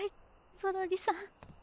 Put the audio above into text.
ゾロリさん。